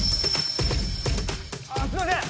あすいません！